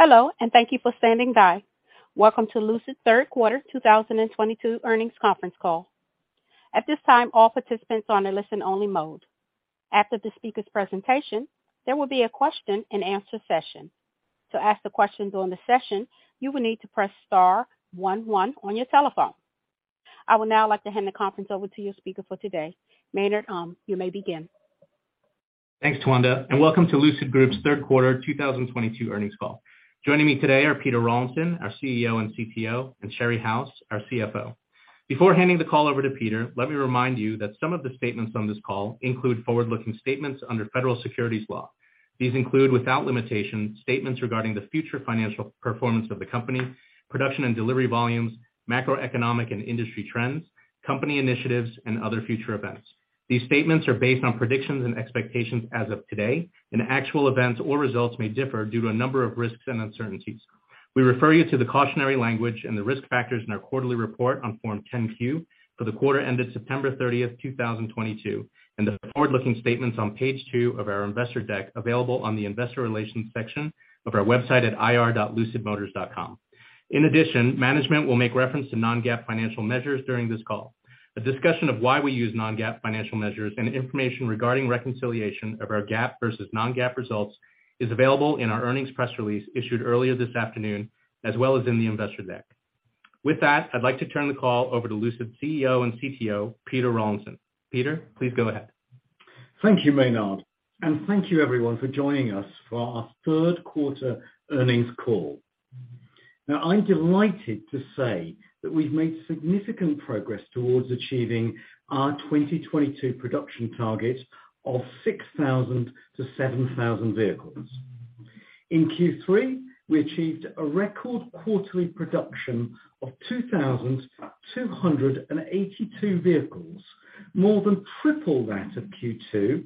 Hello, and thank you for standing by. Welcome to Lucid's third quarter 2022 earnings conference call. At this time, all participants are on a listen only mode. After the speaker's presentation, there will be a question and answer session. To ask the questions during the session, you will need to press star one one on your telephone. I would now like to hand the conference over to your speaker for today, Maynard Um. You may begin. Thanks, Tawanda, and welcome to Lucid Group's third quarter 2022 earnings call. Joining me today are Peter Rawlinson, our CEO and CTO, and Sherry House, our CFO. Before handing the call over to Peter, let me remind you that some of the statements on this call include forward-looking statements under federal securities laws. These include, without limitation, statements regarding the future financial performance of the company, production and delivery volumes, macroeconomic and industry trends, company initiatives, and other future events. These statements are based on predictions and expectations as of today, and actual events or results may differ due to a number of risks and uncertainties. We refer you to the cautionary language and the risk factors in our quarterly report on Form 10-Q for the quarter ended September 30th, 2022, and the forward-looking statements on page two of our investor deck, available on the investor relations section of our website at ir.lucidmotors.com. In addition, management will make reference to non-GAAP financial measures during this call. A discussion of why we use non-GAAP financial measures and information regarding reconciliation of our GAAP versus non-GAAP results is available in our earnings press release issued earlier this afternoon, as well as in the investor deck. With that, I'd like to turn the call over to Lucid CEO and CTO, Peter Rawlinson. Peter, please go ahead. Thank you, Maynard, and thank you everyone for joining us for our third quarter earnings call. Now, I'm delighted to say that we've made significant progress towards achieving our 2022 production target of 6,000-7,000 vehicles. In Q3, we achieved a record quarterly production of 2,282 vehicles, more than triple that of Q2,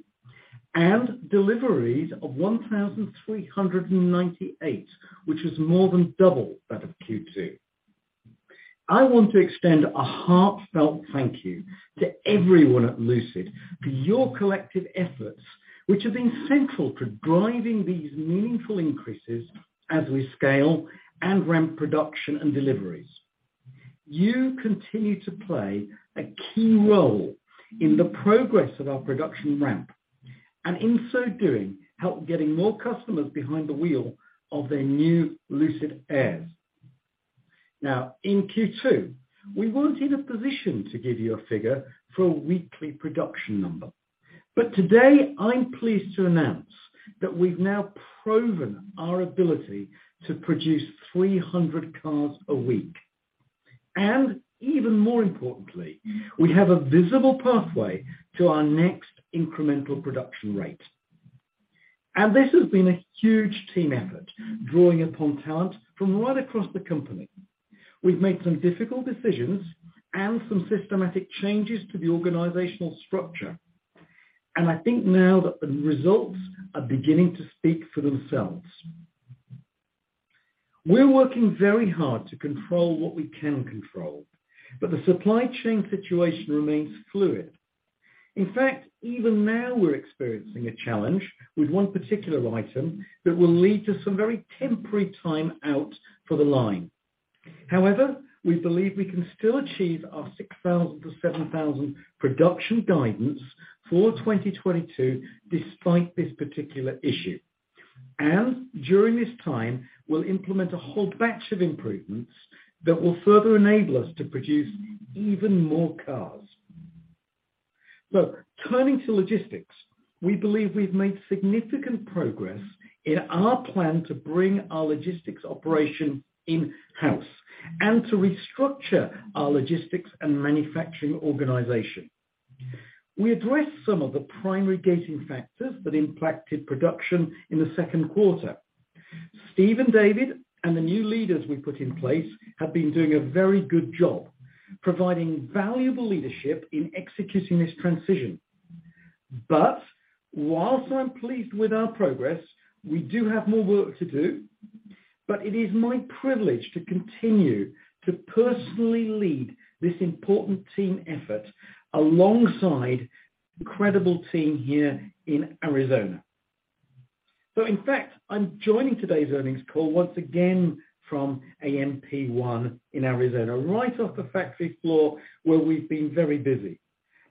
and deliveries of 1,398, which is more than double that of Q2. I want to extend a heartfelt thank you to everyone at Lucid for your collective efforts, which have been central to driving these meaningful increases as we scale and ramp production and deliveries. You continue to play a key role in the progress of our production ramp, and in so doing, help getting more customers behind the wheel of their new Lucid Air. Now, in Q2, we weren't in a position to give you a figure for a weekly production number, but today I'm pleased to announce that we've now proven our ability to produce 300 cars a week. Even more importantly, we have a visible pathway to our next incremental production rate. This has been a huge team effort, drawing upon talent from right across the company. We've made some difficult decisions and some systematic changes to the organizational structure, and I think now that the results are beginning to speak for themselves. We're working very hard to control what we can control, but the supply chain situation remains fluid. In fact, even now we're experiencing a challenge with one particular item that will lead to some very temporary time out for the line. However, we believe we can still achieve our 6,000-7,000 production guidance for 2022 despite this particular issue. During this time, we'll implement a whole batch of improvements that will further enable us to produce even more cars. Turning to logistics. We believe we've made significant progress in our plan to bring our logistics operation in-house and to restructure our logistics and manufacturing organization. We addressed some of the primary gating factors that impacted production in the second quarter. Steve and David and the new leaders we put in place have been doing a very good job providing valuable leadership in executing this transition. While I'm pleased with our progress, we do have more work to do, but it is my privilege to continue to personally lead this important team effort alongside incredible team here in Arizona. So in fact, I'm joining today's earnings call once again from AMP-1 in Arizona, right off the factory floor where we've been very busy.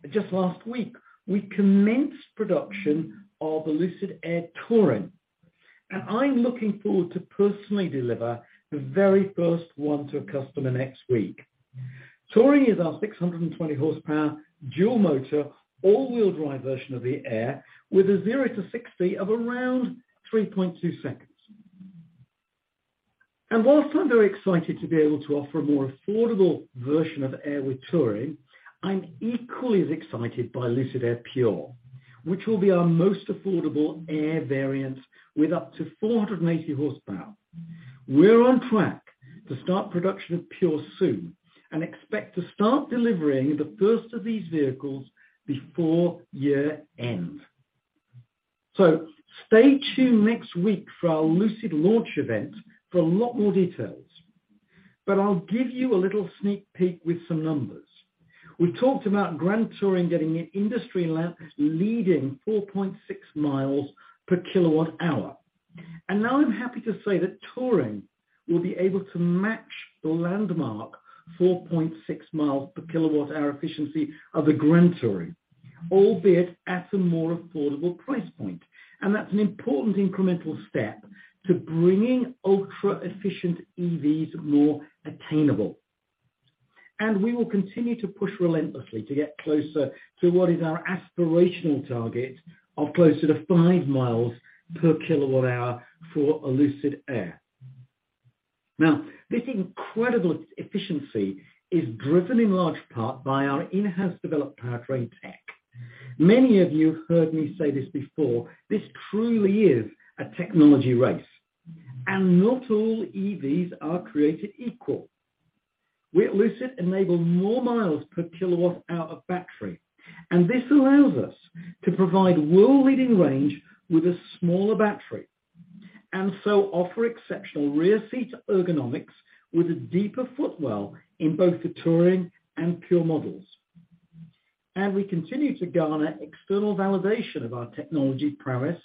Just last week, we commenced production of the Lucid Air Touring, and I'm looking forward to personally deliver the very first one to a customer next week. Touring is our 620-horsepower dual motor, all-wheel drive version of the Air with a zero to 60 of around 3.2 seconds. While I'm very excited to be able to offer a more affordable version of Air with Touring, I'm equally as excited by Lucid Air Pure, which will be our most affordable Air variant with up to 480 horsepower. We're on track to start production of Pure soon and expect to start delivering the first of these vehicles before year end. Stay tuned next week for our Lucid launch event for a lot more details. I'll give you a little sneak peek with some numbers. We talked about Grand Touring getting an industry-leading 4.6 miles per kWh, and now I'm happy to say that Touring will be able to match the landmark 4.6 miles per kWh efficiency of the Grand Touring, albeit at a more affordable price point. That's an important incremental step to bringing ultra-efficient EVs more attainable. We will continue to push relentlessly to get closer to what is our aspirational target of closer to 5 miles per kWh for a Lucid Air. Now, this incredible efficiency is driven in large part by our in-house developed powertrain tech. Many of you heard me say this before, this truly is a technology race, and not all EVs are created equal. We at Lucid enable more miles per kilowatt hour of battery, and this allows us to provide world-leading range with a smaller battery and so offer exceptional rear seat ergonomics with a deeper footwell in both the Touring and Pure models. We continue to garner external validation of our technology prowess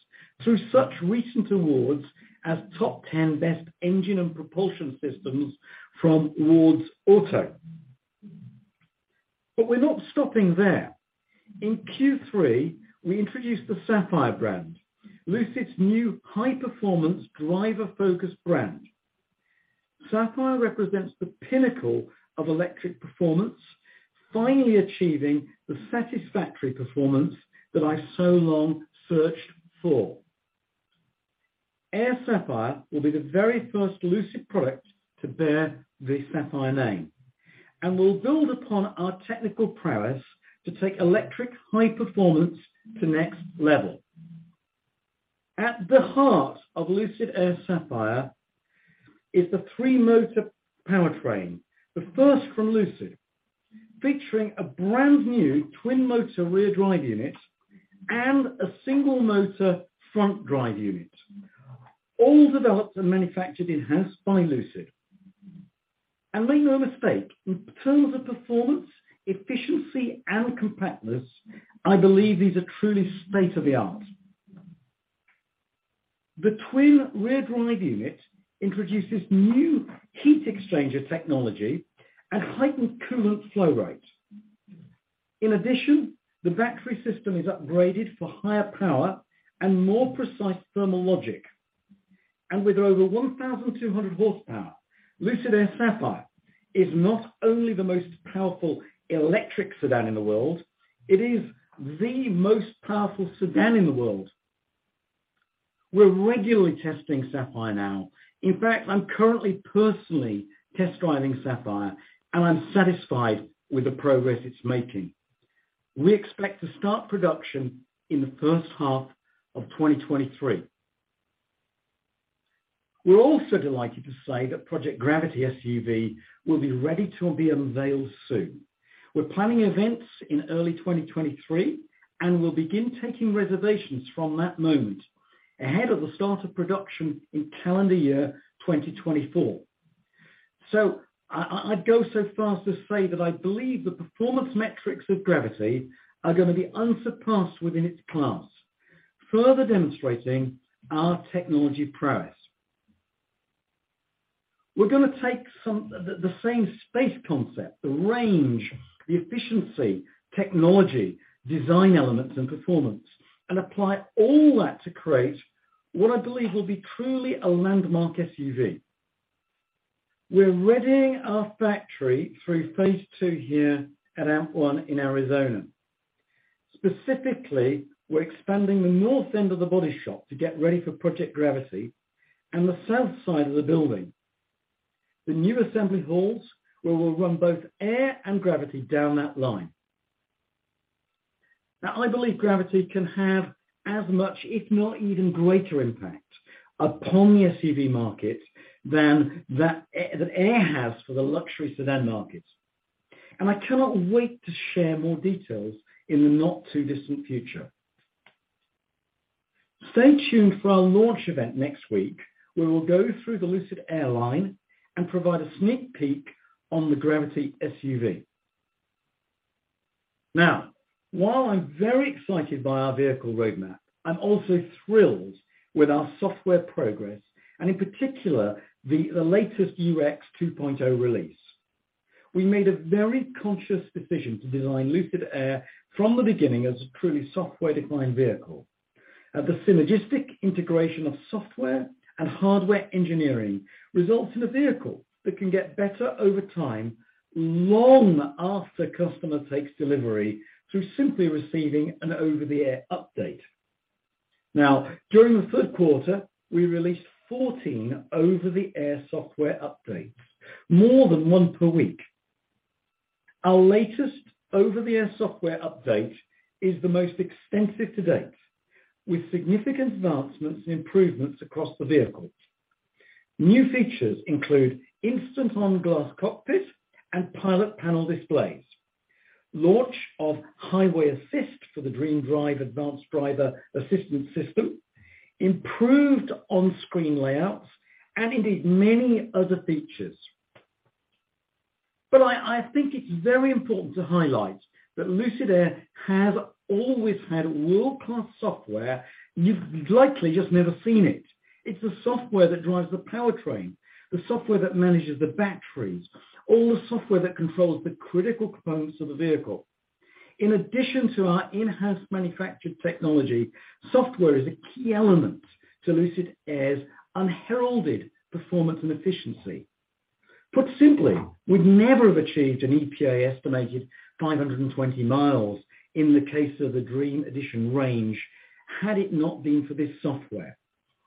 through such recent awards as top 10 Best Engine and Propulsion Systems from WardsAuto. We're not stopping there. In Q3, we introduced the Sapphire brand, Lucid's new high-performance driver-focused brand. Sapphire represents the pinnacle of electric performance, finally achieving the satisfactory performance that I so long searched for. Air Sapphire will be the very first Lucid product to bear the Sapphire name and will build upon our technical prowess to take electric high performance to next level. At the heart of Lucid Air Sapphire is the three-motor powertrain, the first from Lucid, featuring a brand-new twin-motor rear drive unit and a single motor front drive unit, all developed and manufactured in-house by Lucid. Make no mistake, in terms of performance, efficiency, and compactness, I believe these are truly state-of-the-art. The twin rear drive unit introduces new heat exchanger technology and heightened coolant flow rate. In addition, the battery system is upgraded for higher power and more precise thermal logic. With over 1,200 horsepower, Lucid Air Sapphire is not only the most powerful electric sedan in the world, it is the most powerful sedan in the world. We're regularly testing Sapphire now. In fact, I'm currently personally test-driving Sapphire, and I'm satisfied with the progress it's making. We expect to start production in the first half of 2023. We're also delighted to say that Project Gravity SUV will be ready to be unveiled soon. We're planning events in early 2023, and we'll begin taking reservations from that moment ahead of the start of production in calendar year 2024. I'd go so far as to say that I believe the performance metrics of Gravity are gonna be unsurpassed within its class, further demonstrating our technology prowess. We're gonna take the same space concept, the range, the efficiency, technology, design elements, and performance, and apply all that to create what I believe will be truly a landmark SUV. We're readying our factory through phase two here at AMP-1 in Arizona. Specifically, we're expanding the north end of the body shop to get ready for Project Gravity and the south side of the building. The new assembly halls, where we'll run both Air and Gravity down that line. Now, I believe Gravity can have as much, if not even greater impact upon the SUV market than that, the Air has for the luxury sedan market. I cannot wait to share more details in the not-too-distant future. Stay tuned for our launch event next week, where we'll go through the Lucid Air line and provide a sneak peek on the Gravity SUV. Now, while I'm very excited by our vehicle roadmap, I'm also thrilled with our software progress and, in particular, the latest UX 2.0 release. We made a very conscious decision to design Lucid Air from the beginning as a truly software-defined vehicle. Now the synergistic integration of software and hardware engineering results in a vehicle that can get better over time, long after customer takes delivery, through simply receiving an over-the-air update. Now, during the third quarter, we released 14 over-the-air software updates, more than one per week. Our latest over-the-air software update is the most extensive to date, with significant advancements and improvements across the vehicle. New features include instant-on Glass Cockpit and Pilot Panel displays, launch of Highway Assist for the DreamDrive advanced driver assistance system, improved on-screen layouts, and indeed many other features. I think it's very important to highlight that Lucid Air has always had world-class software, you've likely just never seen it. It's the software that drives the powertrain, the software that manages the batteries, all the software that controls the critical components of the vehicle. In addition to our in-house manufactured technology, software is a key element to Lucid Air's unheralded performance and efficiency. Put simply, we'd never have achieved an EPA estimated 520 miles in the case of the Dream Edition Range had it not been for this software.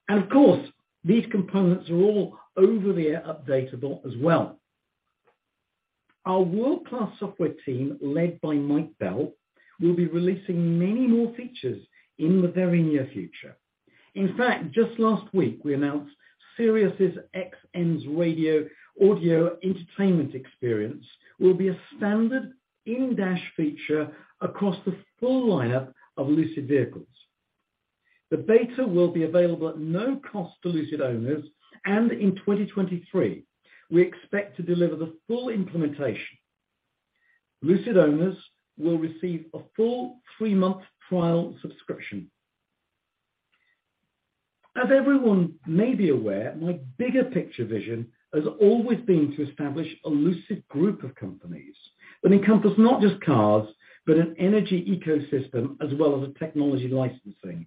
Of course, these components are all over-the-air updatable as well. Our world-class software team, led by Mike Bell, will be releasing many more features in the very near future. In fact, just last week, we announced SiriusXM's Radio audio entertainment experience will be a standard in-dash feature across the full lineup of Lucid vehicles. The beta will be available at no cost to Lucid owners, and in 2023, we expect to deliver the full implementation. Lucid owners will receive a full three-month trial subscription. As everyone may be aware, my bigger picture vision has always been to establish a Lucid Group of companies that encompass not just cars, but an energy ecosystem as well as a technology licensing.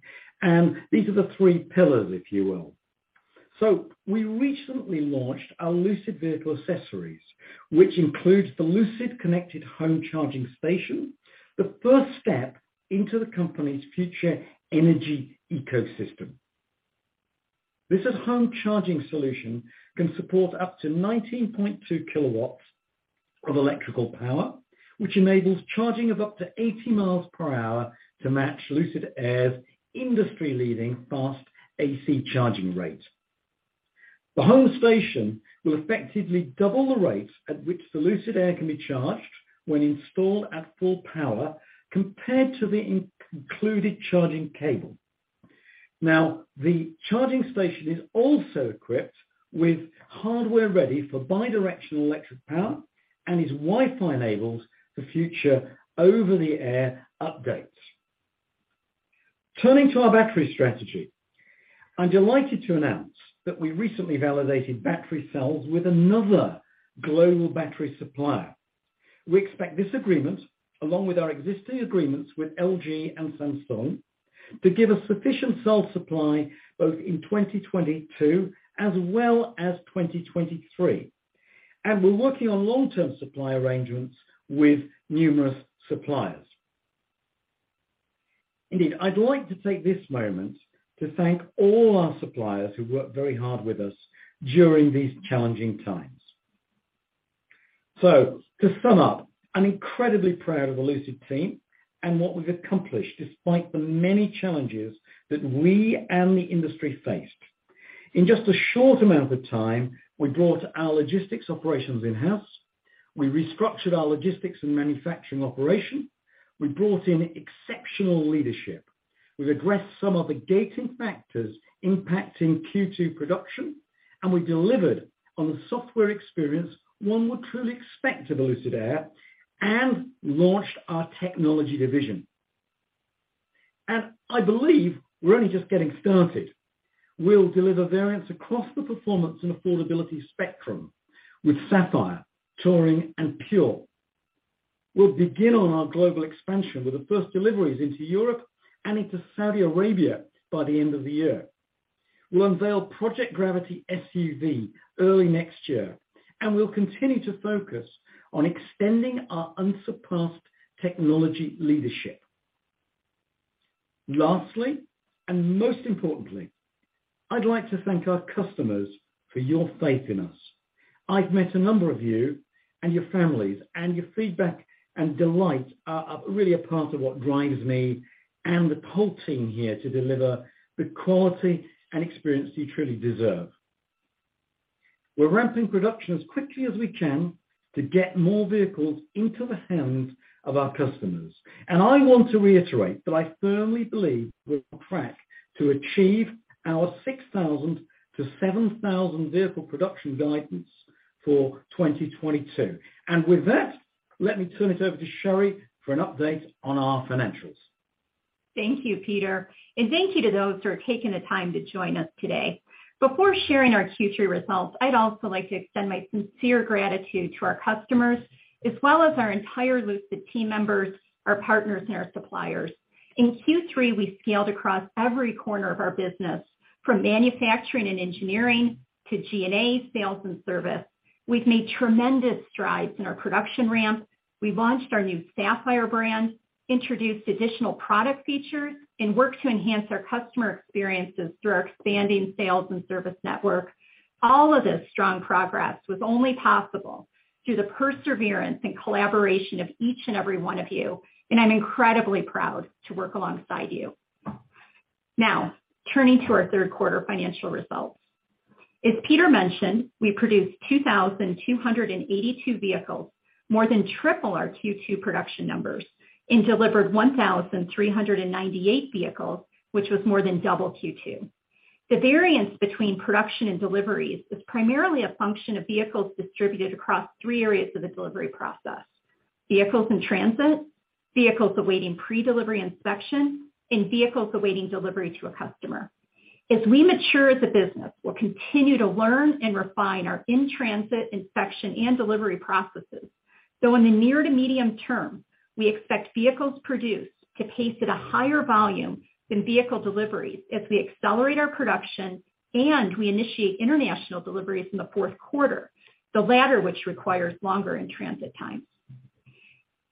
These are the three pillars, if you will. We recently launched our Lucid vehicle accessories, which includes the Lucid Connected Home Charging Station, the first step into the company's future energy ecosystem. This at-home charging solution can support up to 19.2 kW of electrical power, which enables charging of up to 80 miles per hour to match Lucid Air's industry-leading fast AC charging rate. The home station will effectively double the rate at which the Lucid Air can be charged when installed at full power compared to the included charging cable. Now, the charging station is also equipped with hardware ready for bi-directional electric power and is Wi-Fi enabled for future over-the-air updates. Turning to our battery strategy, I'm delighted to announce that we recently validated battery cells with another global battery supplier. We expect this agreement, along with our existing agreements with LG and Samsung, to give us sufficient cell supply both in 2022 as well as 2023. We're working on long-term supply arrangements with numerous suppliers. Indeed, I'd like to take this moment to thank all our suppliers who worked very hard with us during these challenging times. To sum up, I'm incredibly proud of the Lucid team and what we've accomplished despite the many challenges that we and the industry faced. In just a short amount of time, we brought our logistics operations in-house, we restructured our logistics and manufacturing operation, we brought in exceptional leadership, we've addressed some of the gating factors impacting Q2 production, and we delivered on the software experience one would truly expect of a Lucid Air and launched our technology division. I believe we're only just getting started. We'll deliver variants across the performance and affordability spectrum with Sapphire, Touring, and Pure. We'll begin on our global expansion with the first deliveries into Europe and into Saudi Arabia by the end of the year. We'll unveil Project Gravity SUV early next year, and we'll continue to focus on extending our unsurpassed technology leadership. Lastly, and most importantly, I'd like to thank our customers for your faith in us. I've met a number of you and your families, and your feedback and delight are really a part of what drives me and the whole team here to deliver the quality and experience you truly deserve. We're ramping production as quickly as we can to get more vehicles into the hands of our customers. I want to reiterate that I firmly believe we're on track to achieve our 6,000-7,000 vehicle production guidance for 2022. With that, let me turn it over to Sherry for an update on our financials. Thank you, Peter, and thank you to those who are taking the time to join us today. Before sharing our Q3 results, I'd also like to extend my sincere gratitude to our customers, as well as our entire Lucid team members, our partners, and our suppliers. In Q3, we scaled across every corner of our business, from manufacturing and engineering to G&A, sales, and service. We've made tremendous strides in our production ramp. We launched our new Sapphire brand, introduced additional product features, and worked to enhance our customer experiences through our expanding sales and service network. All of this strong progress was only possible through the perseverance and collaboration of each and every one of you, and I'm incredibly proud to work alongside you. Now, turning to our third quarter financial results. As Peter mentioned, we produced 2,282 vehicles, more than triple our Q2 production numbers, and delivered 1,398 vehicles, which was more than double Q2. The variance between production and deliveries is primarily a function of vehicles distributed across three areas of the delivery process. Vehicles in transit, vehicles awaiting predelivery inspection, and vehicles awaiting delivery to a customer. As we mature as a business, we'll continue to learn and refine our in-transit inspection and delivery processes. In the near to medium term, we expect vehicles produced to pace at a higher volume than vehicle deliveries as we accelerate our production and we initiate international deliveries in the fourth quarter, the latter which requires longer in-transit times.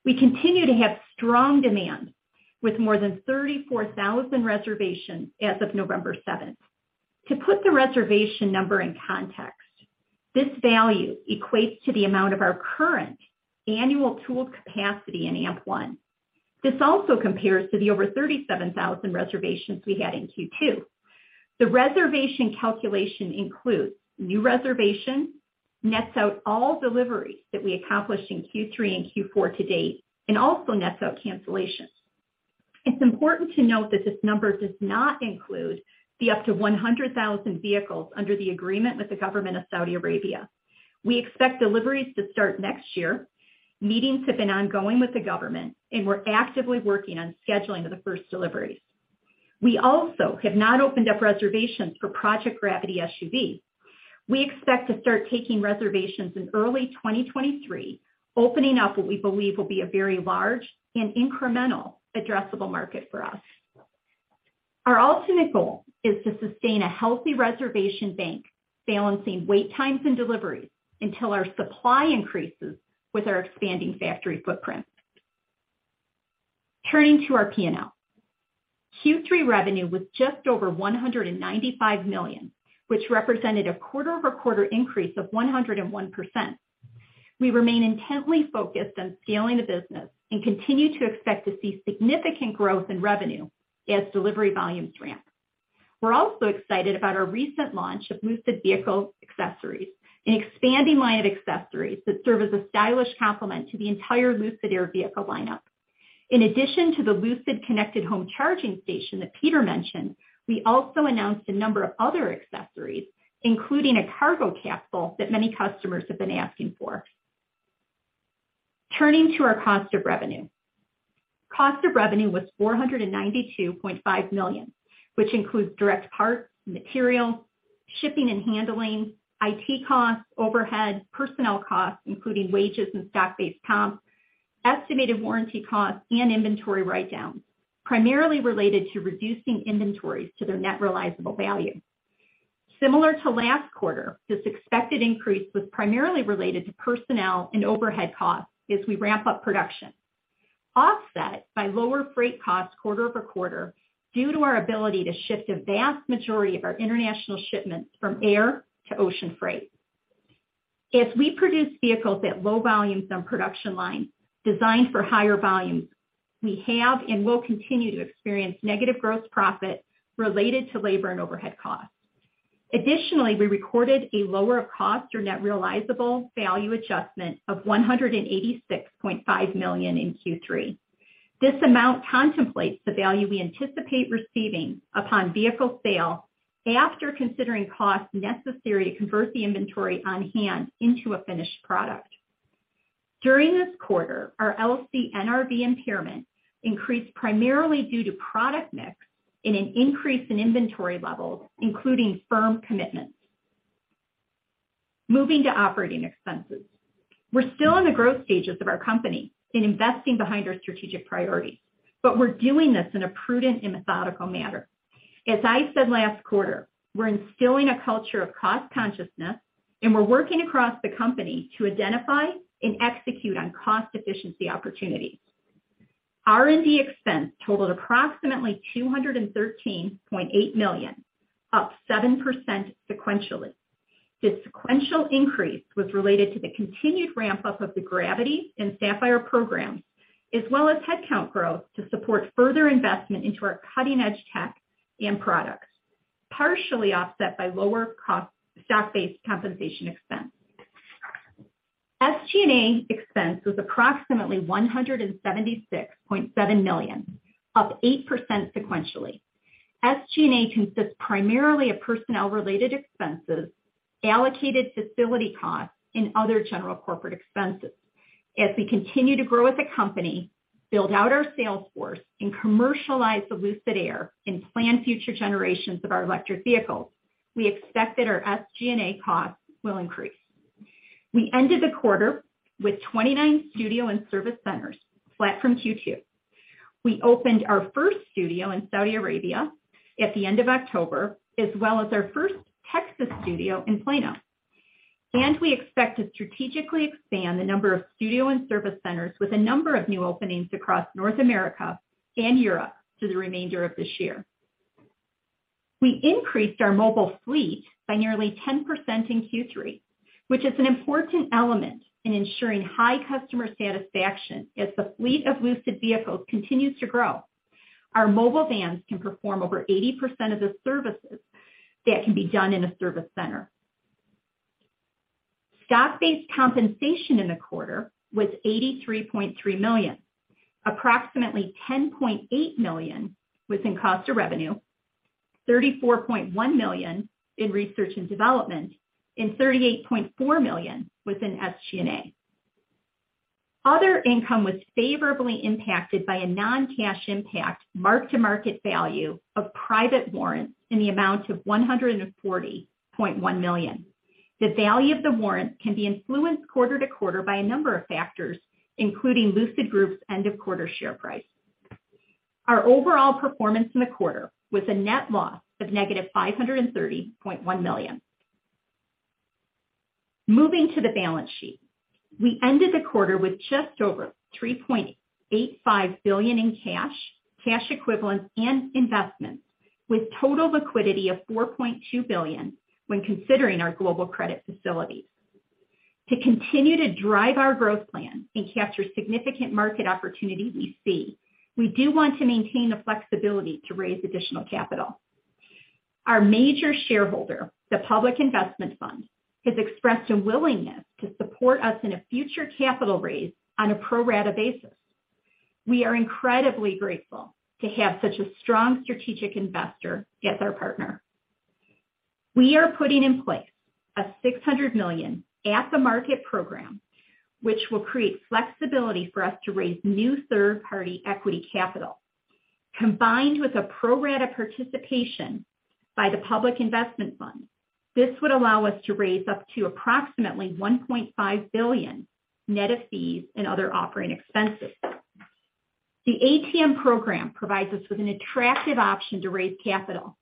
We continue to have strong demand with more than 34,000 reservations as of November 7th. To put the reservation number in context, this value equates to the amount of our current annual tooled capacity in AMP-1. This also compares to the over 37,000 reservations we had in Q2. The reservation calculation includes new reservations, nets out all deliveries that we accomplished in Q3 and Q4 to date, and also nets out cancellations. It's important to note that this number does not include the up to 100,000 vehicles under the agreement with the government of Saudi Arabia. We expect deliveries to start next year. Meetings have been ongoing with the government, and we're actively working on scheduling of the first deliveries. We also have not opened up reservations for Project Gravity SUV. We expect to start taking reservations in early 2023, opening up what we believe will be a very large and incremental addressable market for us. Our ultimate goal is to sustain a healthy reservation bank, balancing wait times and deliveries until our supply increases with our expanding factory footprint. Turning to our P&L. Q3 revenue was just over $195 million, which represented a quarter-over-quarter increase of 101%. We remain intently focused on scaling the business and continue to expect to see significant growth in revenue as delivery volumes ramp. We're also excited about our recent launch of Lucid vehicle accessories, an expanding line of accessories that serve as a stylish complement to the entire Lucid Air vehicle lineup. In addition to the Lucid Connected Home Charging Station that Peter mentioned, we also announced a number of other accessories, including a cargo capsule that many customers have been asking for. Turning to our cost of revenue. Cost of revenue was $492.5 million, which includes direct parts, materials, shipping and handling, IT costs, overhead, personnel costs, including wages and stock-based comp, estimated warranty costs, and inventory write-downs, primarily related to reducing inventories to their net realizable value. Similar to last quarter, this expected increase was primarily related to personnel and overhead costs as we ramp up production, offset by lower freight costs quarter-over-quarter due to our ability to shift a vast majority of our international shipments from air to ocean freight. As we produce vehicles at low volumes on production lines designed for higher volumes, we have and will continue to experience negative gross profit related to labor and overhead costs. Additionally, we recorded a lower of cost or net realizable value adjustment of $186.5 million in Q3. This amount contemplates the value we anticipate receiving upon vehicle sale after considering costs necessary to convert the inventory on hand into a finished product. During this quarter, our LCNRV impairment increased primarily due to product mix and an increase in inventory levels, including firm commitments. Moving to operating expenses. We're still in the growth stages of our company and investing behind our strategic priorities, but we're doing this in a prudent and methodical manner. As I said last quarter, we're instilling a culture of cost consciousness, and we're working across the company to identify and execute on cost efficiency opportunities. R&D expense totaled approximately $213.8 million, up 7% sequentially. This sequential increase was related to the continued ramp-up of the Gravity and Sapphire programs, as well as headcount growth to support further investment into our cutting-edge tech and products, partially offset by lower cost stock-based compensation expense. SG&A expense was approximately $176.7 million, up 8% sequentially. SG&A consists primarily of personnel-related expenses, allocated facility costs, and other general corporate expenses. As we continue to grow as a company, build out our sales force, and commercialize the Lucid Air and plan future generations of our electric vehicles, we expect that our SG&A costs will increase. We ended the quarter with 29 studio and service centers, flat from Q2. We opened our first studio in Saudi Arabia at the end of October, as well as our first Texas studio in Plano. We expect to strategically expand the number of studio and service centers with a number of new openings across North America and Europe through the remainder of this year. We increased our mobile fleet by nearly 10% in Q3, which is an important element in ensuring high customer satisfaction as the fleet of Lucid vehicles continues to grow. Our mobile vans can perform over 80% of the services that can be done in a service center. Stock-based compensation in the quarter was $83.3 million. Approximately $10.8 million was in cost of revenue, $34.1 million in research and development, and $38.4 million was in SG&A. Other income was favorably impacted by a non-cash impact mark-to-market value of private warrants in the amount of $140.1 million. The value of the warrant can be influenced quarter to quarter by a number of factors, including Lucid Group's end of quarter share price. Our overall performance in the quarter was a net loss of -$530.1 million. Moving to the balance sheet. We ended the quarter with just over $3.85 billion in cash equivalents, and investments, with total liquidity of $4.2 billion when considering our global credit facilities. To continue to drive our growth plan and capture significant market opportunity we see, we do want to maintain the flexibility to raise additional capital. Our major shareholder, the Public Investment Fund, has expressed a willingness to support us in a future capital raise on a pro rata basis. We are incredibly grateful to have such a strong strategic investor as our partner. We are putting in place a $600 million at-the-market program, which will create flexibility for us to raise new third-party equity capital. Combined with a pro rata participation by the Public Investment Fund, this would allow us to raise up to approximately $1.5 billion net of fees and other operating expenses. The ATM program provides us with an attractive option to raise capital,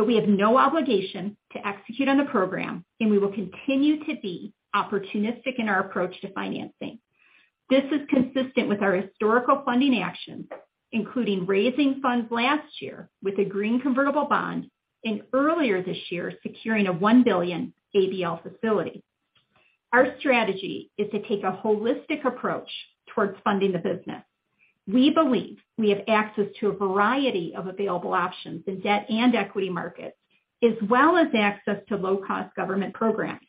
but we have no obligation to execute on the program, and we will continue to be opportunistic in our approach to financing. This is consistent with our historical funding actions, including raising funds last year with a green convertible bond and earlier this year securing a $1 billion ABL facility. Our strategy is to take a holistic approach towards funding the business. We believe we have access to a variety of available options in debt and equity markets, as well as access to low-cost government programs.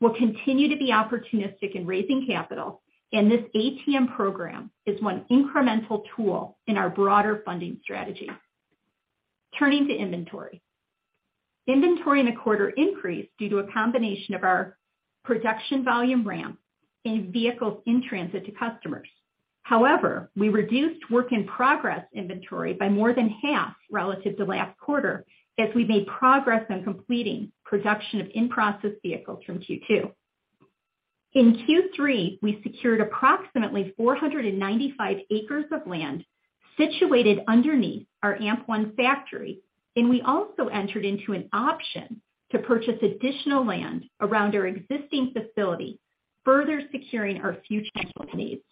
We'll continue to be opportunistic in raising capital, and this ATM program is one incremental tool in our broader funding strategy. Turning to inventory. Inventory in the quarter increased due to a combination of our production volume ramp and vehicles in transit to customers. However, we reduced work-in-progress inventory by more than half relative to last quarter as we made progress on completing production of in-process vehicles from Q2. In Q3, we secured approximately 495 acres of land situated underneath our AMP-1 factory, and we also entered into an option to purchase additional land around our existing facility, further securing our future network needs.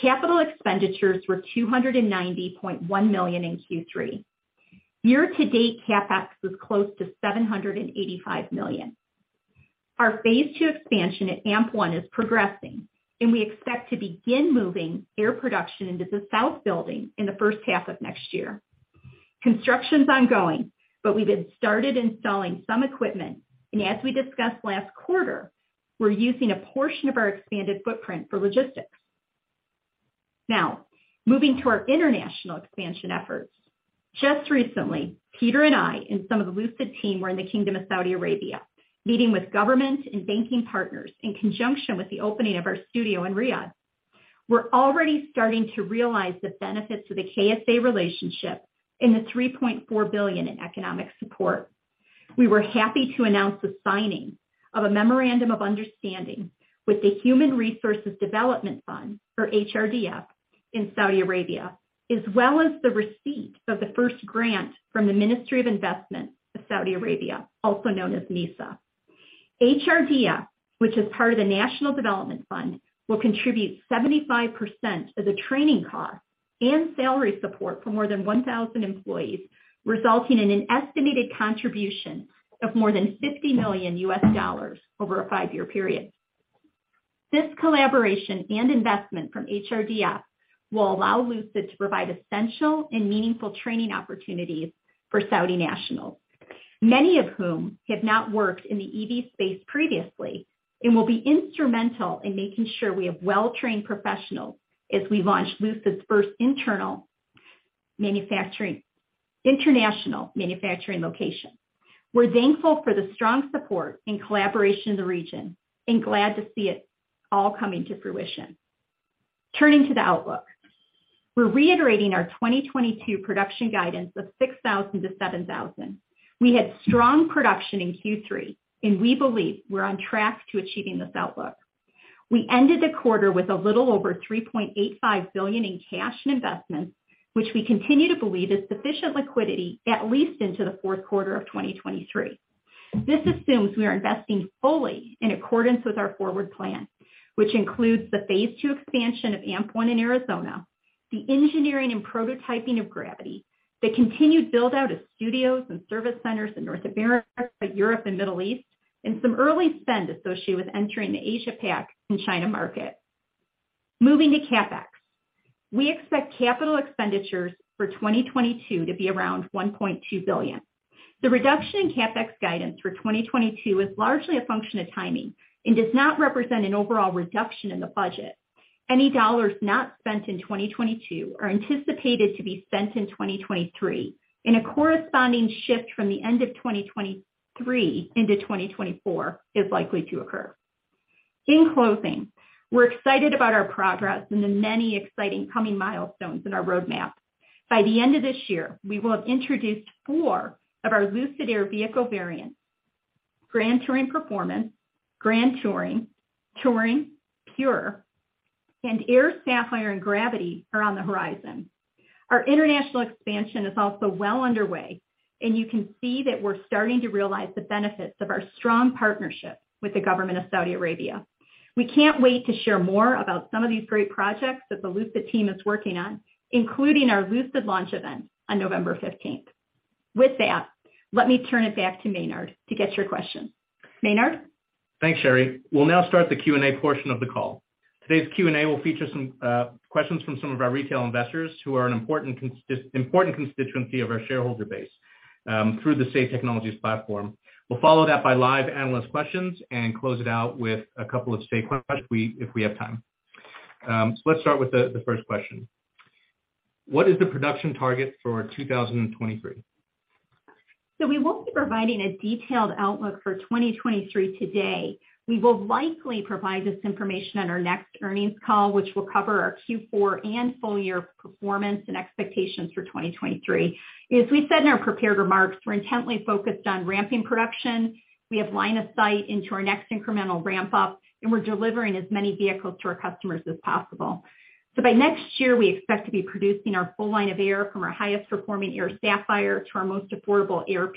Capital expenditures were $290.1 million in Q3. Year-to-date CapEx was close to $785 million. Our phase two expansion at AMP-1 is progressing, and we expect to begin moving Air production into the south building in the first half of next year. Construction's ongoing, but we've started installing some equipment, and as we discussed last quarter, we're using a portion of our expanded footprint for logistics. Now, moving to our international expansion efforts. Just recently, Peter and I and some of the Lucid team were in the Kingdom of Saudi Arabia, meeting with government and banking partners in conjunction with the opening of our studio in Riyadh. We're already starting to realize the benefits of the KSA relationship in the $3.4 billion in economic support. We were happy to announce the signing of a memorandum of understanding with the Human Resources Development Fund, or HRDF, in Saudi Arabia, as well as the receipt of the first grant from the Ministry of Investment of Saudi Arabia, also known as MISA. HRDF, which is part of the National Development Fund, will contribute 75% of the training cost and salary support for more than 1,000 employees, resulting in an estimated contribution of more than $50 million over a five-year period. This collaboration and investment from HRDF will allow Lucid to provide essential and meaningful training opportunities for Saudi nationals, many of whom have not worked in the EV space previously and will be instrumental in making sure we have well-trained professionals as we launch Lucid's first international manufacturing location. We're thankful for the strong support and collaboration of the region and glad to see it all coming to fruition. Turning to the outlook. We're reiterating our 2022 production guidance of 6,000-7,000. We had strong production in Q3, and we believe we're on track to achieving this outlook. We ended the quarter with a little over $3.85 billion in cash and investments, which we continue to believe is sufficient liquidity at least into the fourth quarter of 2023. This assumes we are investing fully in accordance with our forward plan, which includes the phase II expansion of AMP-1 in Arizona, the engineering and prototyping of Gravity, the continued build-out of studios and service centers in North America, Europe, and Middle East, and some early spend associated with entering the Asia-Pac and China market. Moving to CapEx. We expect capital expenditures for 2022 to be around $1.2 billion. The reduction in CapEx guidance for 2022 is largely a function of timing and does not represent an overall reduction in the budget. Any dollars not spent in 2022 are anticipated to be spent in 2023, and a corresponding shift from the end of 2023 into 2024 is likely to occur. In closing, we're excited about our progress and the many exciting coming milestones in our roadmap. By the end of this year, we will have introduced four of our Lucid Air vehicle variants, Grand Touring Performance, Grand Touring, Pure, and Air Sapphire and Gravity are on the horizon. Our international expansion is also well underway, and you can see that we're starting to realize the benefits of our strong partnership with the government of Saudi Arabia. We can't wait to share more about some of these great projects that the Lucid team is working on, including our Lucid launch event on November fifteenth. With that, let me turn it back to Maynard to get your questions. Maynard? Thanks, Sherry. We'll now start the Q&A portion of the call. Today's Q&A will feature some questions from some of our retail investors who are an important constituency of our shareholder base through the Say Technologies platform. We'll follow that by live analyst questions and close it out with a couple of Say questions if we have time. Let's start with the first question. What is the production target for 2023? We won't be providing a detailed outlook for 2023 today. We will likely provide this information on our next earnings call, which will cover our Q4 and full year performance and expectations for 2023. As we said in our prepared remarks, we're intently focused on ramping production. We have line of sight into our next incremental ramp up, and we're delivering as many vehicles to our customers as possible. By next year, we expect to be producing our full line of Air from our highest-performing Air Sapphire to our most affordable Air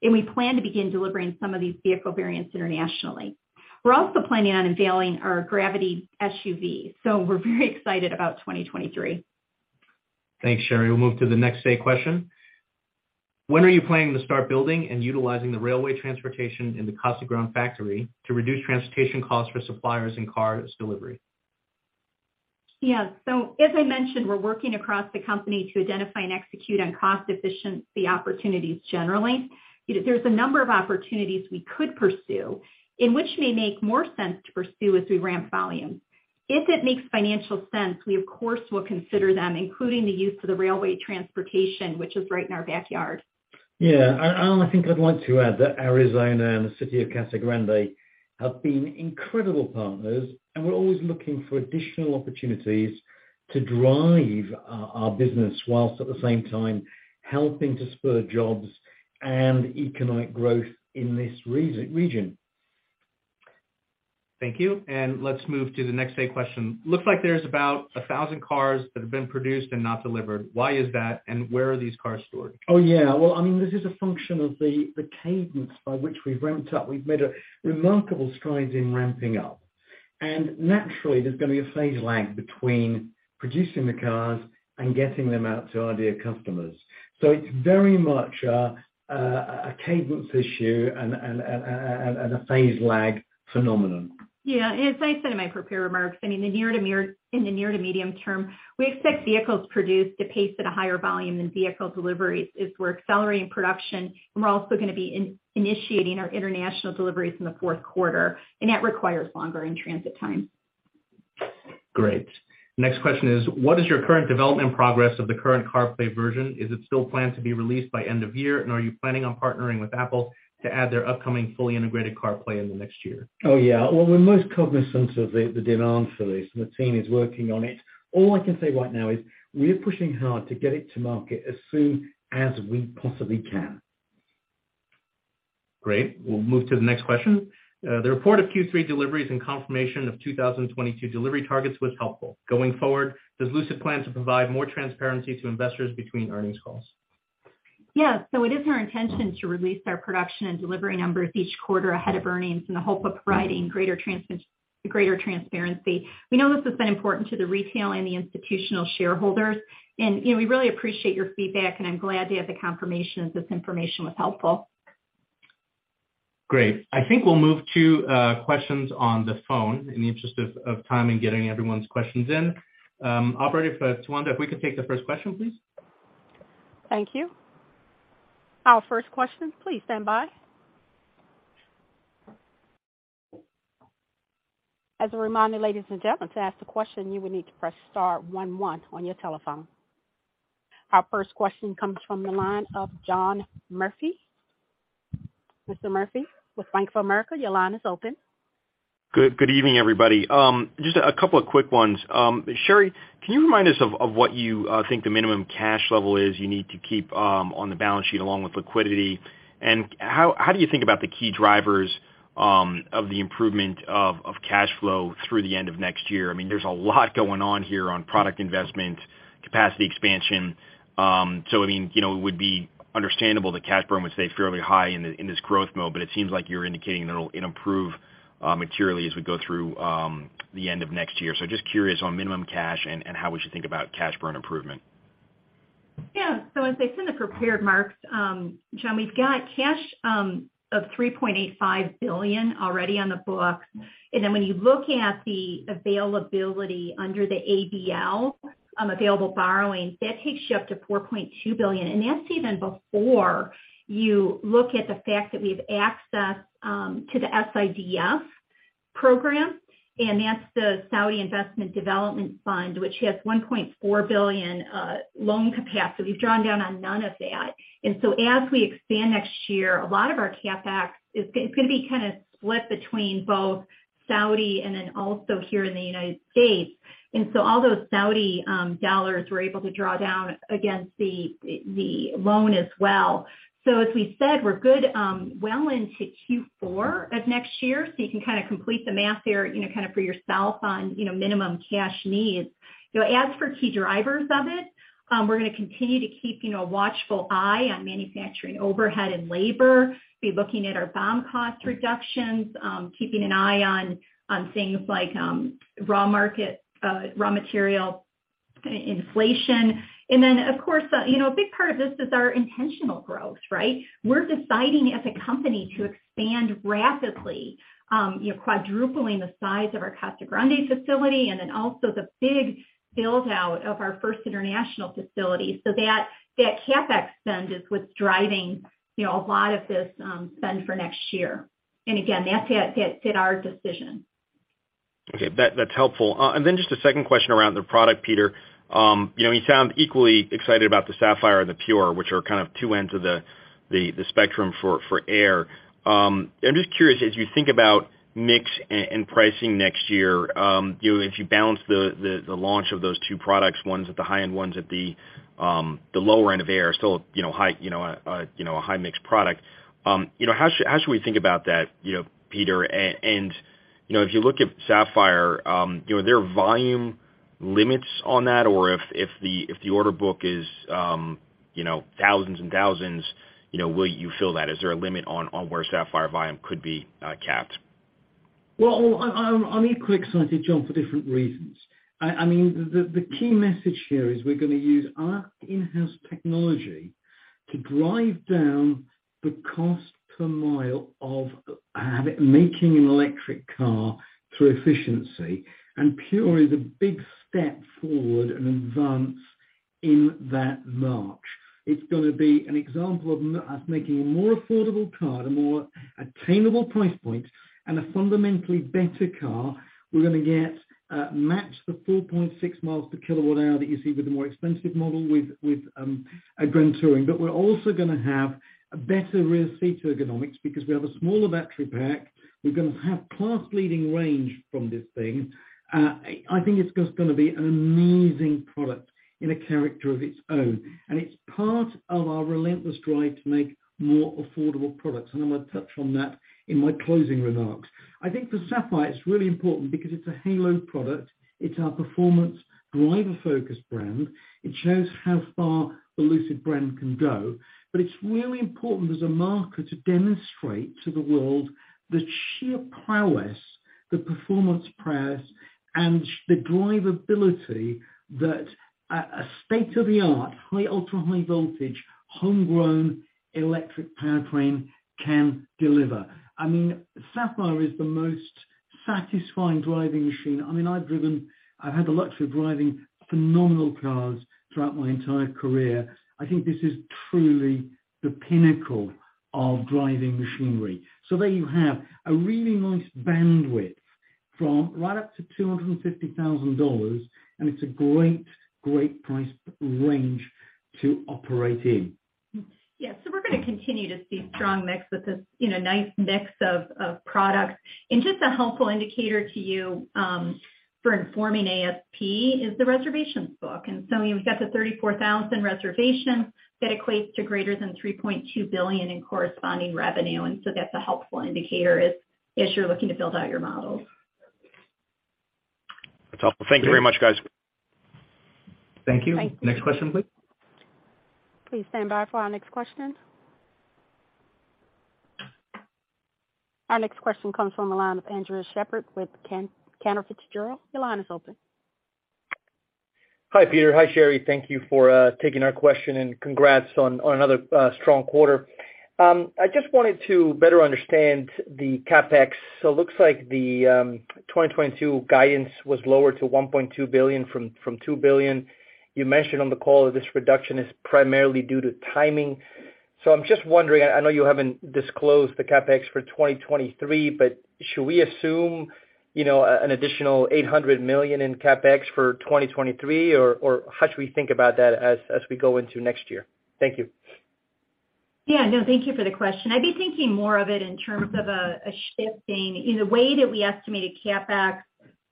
Pure. We plan to begin delivering some of these vehicle variants internationally. We're also planning on unveiling our Gravity SUV, so we're very excited about 2023. Thanks, Sherry. We'll move to the next question. When are you planning to start building and utilizing the railway transportation in the Casa Grande factory to reduce transportation costs for suppliers and cars delivery? Yeah. As I mentioned, we're working across the company to identify and execute on cost efficiency opportunities generally. There's a number of opportunities we could pursue in which may make more sense to pursue as we ramp volume. If it makes financial sense, we of course will consider them, including the use of the railway transportation, which is right in our backyard. Yeah. I think I'd like to add that Arizona and the city of Casa Grande have been incredible partners, and we're always looking for additional opportunities to drive our business while at the same time helping to spur jobs and economic growth in this region. Thank you. Let's move to the next question. Looks like there's about 1,000 cars that have been produced and not delivered. Why is that, and where are these cars stored? Oh, yeah. Well, I mean, this is a function of the cadence by which we've ramped up. We've made a remarkable stride in ramping up. Naturally, there's gonna be a phase lag between producing the cars and getting them out to our dear customers. It's very much a cadence issue and a phase lag phenomenon. Yeah. As I said in my prepared remarks, I mean, in the near to medium term, we expect vehicles produced to pace at a higher volume than vehicle deliveries as we're accelerating production, and we're also gonna be initiating our international deliveries in the fourth quarter, and that requires longer in-transit time. Great. Next question is, what is your current development progress of the current CarPlay version? Is it still planned to be released by end of year? Are you planning on partnering with Apple to add their upcoming fully integrated CarPlay in the next year? Oh, yeah. Well, we're most cognizant of the demand for this, and the team is working on it. All I can say right now is we are pushing hard to get it to market as soon as we possibly can. Great. We'll move to the next question. The report of Q3 deliveries and confirmation of 2022 delivery targets was helpful. Going forward, does Lucid plan to provide more transparency to investors between earnings calls? Yeah. It is our intention to release our production and delivery numbers each quarter ahead of earnings in the hope of providing greater transparency. We know this has been important to the retail and the institutional shareholders, and, you know, we really appreciate your feedback, and I'm glad to have the confirmation that this information was helpful. Great. I think we'll move to questions on the phone in the interest of time and getting everyone's questions in. Operator, Tawanda, if we could take the first question, please. Thank you. Our first question, please stand by. As a reminder, ladies and gentlemen, to ask a question, you will need to press star one one on your telephone. Our first question comes from the line of John Murphy. Mr. Murphy with Bank of America, your line is open. Good evening, everybody. Just a couple of quick ones. Sherry, can you remind us of what you think the minimum cash level is you need to keep on the balance sheet along with liquidity? How do you think about the key drivers of the improvement of cash flow through the end of next year. I mean, there's a lot going on here on product investment, capacity expansion. I mean, you know, it would be understandable that cash burn would stay fairly high in this growth mode, but it seems like you're indicating that it'll improve materially as we go through the end of next year. Just curious on minimum cash and how we should think about cash burn improvement. Yeah. As I said in the prepared, Mark, John, we've got cash of $3.85 billion already on the books. Then when you look at the availability under the ABL, available borrowings, that takes you up to $4.2 billion. That's even before you look at the fact that we have access to the SIDF program, and that's the Saudi Industrial Development Fund, which has $1.4 billion loan capacity. We've drawn down on none of that. As we expand next year, a lot of our CapEx is gonna be kinda split between both Saudi and then also here in the United States. All those Saudi dollars we're able to draw down against the loan as well. As we said, we're good well into Q4 of next year, you can kinda complete the math there, you know, kinda for yourself on, you know, minimum cash needs. You know, as for key drivers of it, we're gonna continue to keep, you know, a watchful eye on manufacturing overhead and labor, be looking at our BOM cost reductions, keeping an eye on things like raw material inflation. Then, of course, you know, a big part of this is our intentional growth, right? We're deciding as a company to expand rapidly, you know, quadrupling the size of our Casa Grande facility, and then also the big build-out of our first international facility. That CapEx spend is what's driving, you know, a lot of this, spend for next year. That's at our decision. Okay. That's helpful. And then just a second question around the product, Peter. You know, you sound equally excited about the Sapphire and the Pure, which are kind of two ends of the spectrum for Air. I'm just curious, as you think about mix and pricing next year, you know, as you balance the launch of those two products, one's at the high end, one's at the lower end of Air, still a high-mix product, you know, how should we think about that, you know, Peter? You know, if you look at Sapphire, you know, are there volume limits on that? Or if the order book is thousands and thousands, you know, will you fill that? Is there a limit on where Sapphire volume could be capped? I'm equally excited, John, for different reasons. I mean, the key message here is we're gonna use our in-house technology to drive down the cost per mile of making an electric car through efficiency, and Pure is a big step forward and advance in that march. It's gonna be an example of us making a more affordable car at a more attainable price point and a fundamentally better car. We're gonna match the 4.6 miles per kWh that you see with the more expensive model with a Grand Touring. We're also gonna have a better rear seat ergonomics because we have a smaller battery pack. We're gonna have class-leading range from this thing. I think it's just gonna be an amazing product with a character of its own. It's part of our relentless drive to make more affordable products, and I'm gonna touch on that in my closing remarks. I think for Sapphire, it's really important because it's a halo product. It's our performance driver-focused brand. It shows how far the Lucid brand can go. It's really important as a market to demonstrate to the world the sheer prowess, the performance prowess, and the drivability that a state-of-the-art, ultra-high voltage, homegrown electric powertrain can deliver. I mean, Sapphire is the most satisfying driving machine. I mean, I've had the luxury of driving phenomenal cars throughout my entire career. I think this is truly the pinnacle of driving machinery. There you have a really nice bandwidth from Pure right up to $250,000, and it's a great price range to operate in. Yeah. We're gonna continue to see strong mix with this, you know, nice mix of products. Just a helpful indicator to you for informing ASP is the reservations book. You've got the 34,000 reservations that equates to greater than $3.2 billion in corresponding revenue. That's a helpful indicator as you're looking to build out your models. That's helpful. Thank you very much, guys. Thank you. Thank you. Next question, please. Please stand by for our next question. Our next question comes from the line of Andres Sheppard with Cantor Fitzgerald. Your line is open. Hi, Peter. Hi, Sherry. Thank you for taking our question, and congrats on another strong quarter. I just wanted to better understand the CapEx. Looks like the 2022 guidance was lower to $1.2 billion from $2 billion. You mentioned on the call that this reduction is primarily due to timing. I'm just wondering, I know you haven't disclosed the CapEx for 2023, but should we assume, you know, an additional $800 million in CapEx for 2023, or how should we think about that as we go into next year? Thank you. Yeah. No, thank you for the question. I'd be thinking more of it in terms of a shifting in the way that we estimated CapEx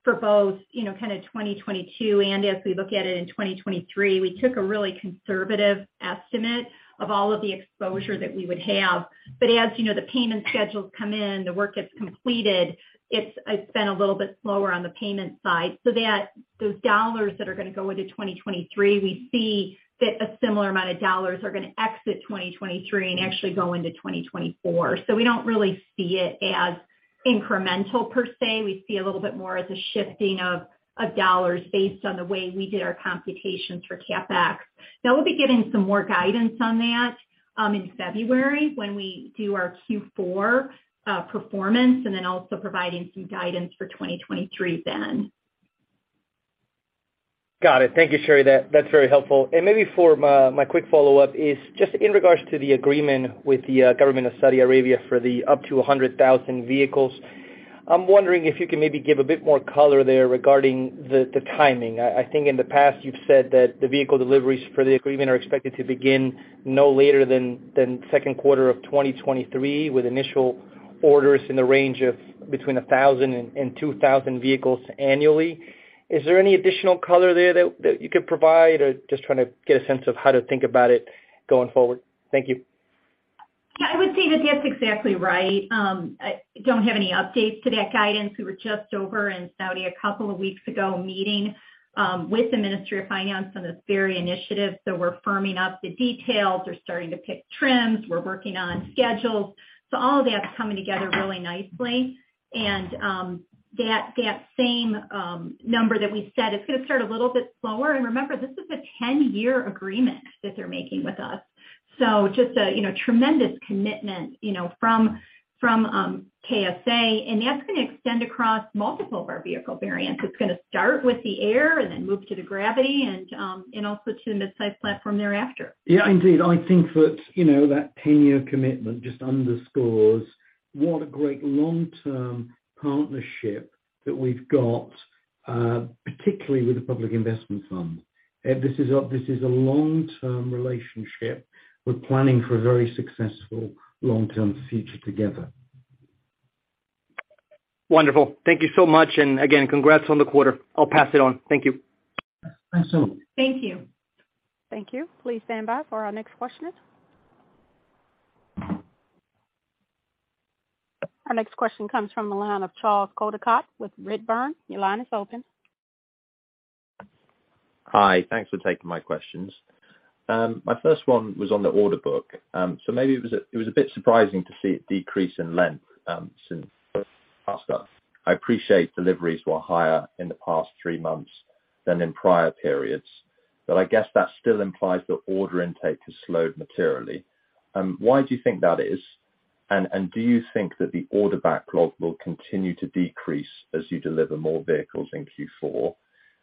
for both, you know, kind of 2022, and as we look at it in 2023, we took a really conservative estimate of all of the exposure that we would have. As, you know, the payment schedules come in, the work gets completed, it's been a little bit slower on the payment side, so that those dollars that are gonna go into 2023, we see that a similar amount of dollars are gonna exit 2023 and actually go into 2024. We don't really see it as incremental per se. We see a little bit more as a shifting of dollars based on the way we did our computations for CapEx. Now, we'll be giving some more guidance on that, in February when we do our Q4 performance, and then also providing some guidance for 2023 then. Got it. Thank you, Sherry. That's very helpful. Maybe for my quick follow-up is just in regards to the agreement with the government of Saudi Arabia for up to 100,000 vehicles. I'm wondering if you can maybe give a bit more color there regarding the timing. I think in the past you've said that the vehicle deliveries for the agreement are expected to begin no later than second quarter of 2023 with initial orders in the range of between 1,000 and 2,000 vehicles annually. Is there any additional color there that you could provide? Or just trying to get a sense of how to think about it going forward. Thank you. I would say that that's exactly right. I don't have any updates to that guidance. We were just over in Saudi a couple of weeks ago, meeting with the Ministry of Finance on this very initiative, so we're firming up the details. They're starting to pick trims. We're working on schedules. All of that's coming together really nicely. That same number that we said, it's gonna start a little bit slower. Remember, this is a 10-year agreement that they're making with us. Just a tremendous commitment, you know, from KSA, and that's gonna extend across multiple of our vehicle variants. It's gonna start with the Air and then move to the Gravity and also to the midsize platform thereafter. Yeah, indeed. I think that, you know, that 10-year commitment just underscores what a great long-term partnership that we've got, particularly with the Public Investment Fund. This is a long-term relationship. We're planning for a very successful long-term future together. Wonderful. Thank you so much, and again, congrats on the quarter. I'll pass it on. Thank you. Thanks, Andres Sheppard. Thank you. Thank you. Please stand by for our next questioner. Our next question comes from the line of Charles Bendit with Redburn. Your line is open. Hi. Thanks for taking my questions. My first one was on the order book. Maybe it was a bit surprising to see it decrease in length, since, I appreciate deliveries were higher in the past three months than in prior periods, so I guess that still implies the order intake is slowing materially. And why do you think that is? And do you think that the order backlog will continue to decrease as you deliver more vehicles in Q4?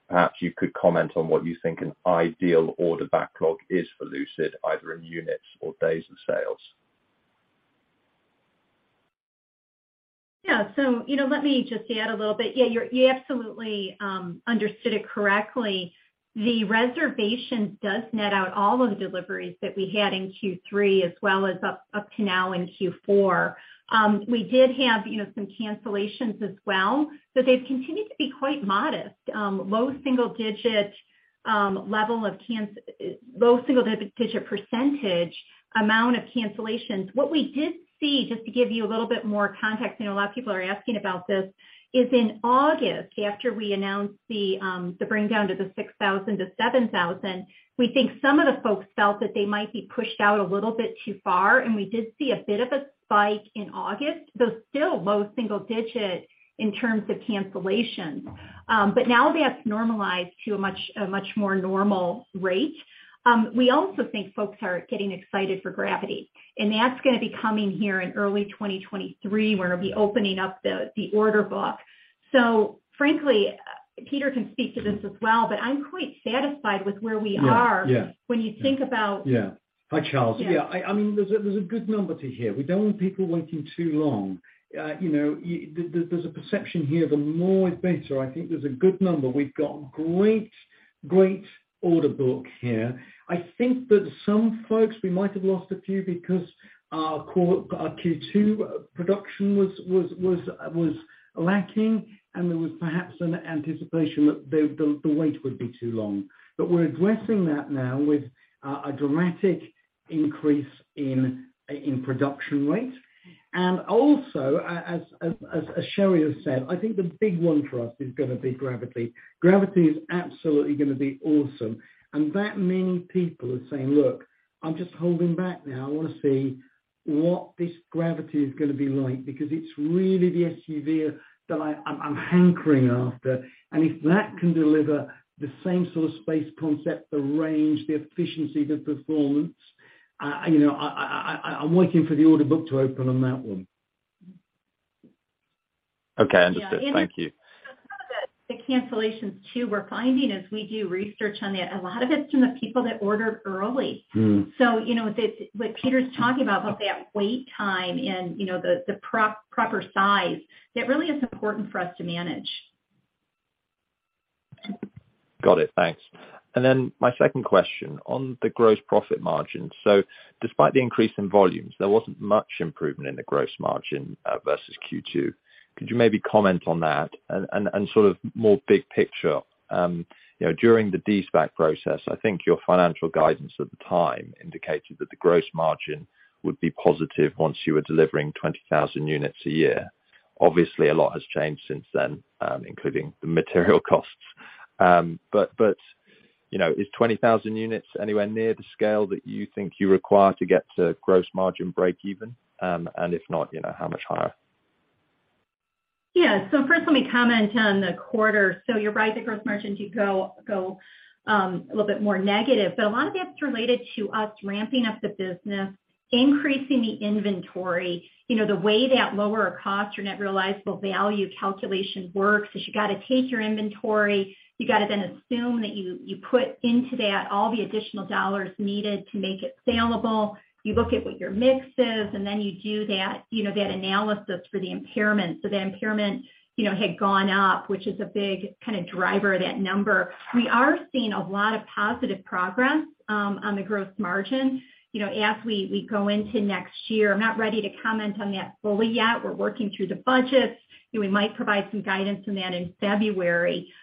Perhaps you could comment on what you think the ideal order backlog is relative either to units or days of sales? Yeah. So, let me just say a little bit. Yeah, you absolutely understood it correctly. The reservation does net out all the deliveries that we got in Q3, as well as up to now in Q4. We did have some cancellations as well, but it continues to be quite modest-low single-digit level of cancellations. What we did see, just to give you a little bit more context- I know a lot of people are asking about this-is in August, after we announced the rundown of the 6,000-7,000 we think some of the folks felt that they might be pushed out a little bit too far, and we did see a bit spike in August, but still low single digits in terms of cancellation. But now we have normalized to much more normal rate. We also think folks are getting excited for Gravity. And as we are coming here in early 2023, we're going to be opening up the order book. So frankly, Peter can speak to this as well, but I'm quite satisfied with where we are when you think about- Hi Charles. I mean, there's good number to here. We don't want people waiting too long. There's a perception here, the more inventory, I think it's good number. We've got great, great order book here. I think that at some point, the market lost few because of Q2, production was lacking and there was perhaps an anticipation that the wait would be too long. But we're addressing that now with a direct increase in production rate. And as Sherry said, I think the vehicle's going to be Gravity. Gravity is absolutely going to be awesome. And that means people are saying, look, I'll just hold back now. I want to see what this Gravity is going to be like, because it's really getting to the vehicles that I'm hankering after. And if that can deliver the central space concept, the range, the efficiency of the preformance, I'm waiting for the order book to open on that one. Okay, thank you. Yeah. Some of the cancellations too we're finding as we do research on that, a lot of it's from the people that ordered early. Mm. You know, what Peter's talking about that wait time and, you know, the proper size, that really is important for us to manage. Got it. Thanks. Then my second question on the gross profit margin. Despite the increase in volumes, there wasn't much improvement in the gross margin versus Q2. Could you maybe comment on that? sort of more big picture, you know, during the de-SPAC process, I think your financial guidance at the time indicated that the gross margin would be positive once you were delivering 20,000 units a year. Obviously, a lot has changed since then, including the material costs. you know, is 20,000 units anywhere near the scale that you think you require to get to gross margin breakeven? If not, you know, how much higher? Yeah. First, let me comment on the quarter. You're right, the gross margin did go a little bit more negative, but a lot of that's related to us ramping up the business, increasing the inventory. You know, the way that lower of cost or net realizable value calculation works is you gotta take your inventory, you gotta then assume that you put into that all the additional dollars needed to make it saleable. You look at what your mix is, and then you do that, you know, that analysis for the impairment. The impairment, you know, had gone up, which is a big kinda driver of that number. We are seeing a lot of positive progress on the gross margin. You know, as we go into next year, I'm not ready to comment on that fully yet. We're working through the budgets. You know, we might provide some guidance on that in February.